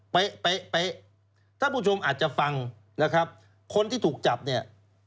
เป๊ะเป๊ะเป๊ะถ้าผู้ชมอาจจะฟังนะครับคนที่ถูกจับเนี่ย